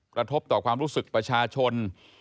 กระทบต่อความรู้สึกประชาชน